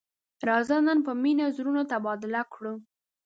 راځه نن په مینه زړونه تبادله کړو.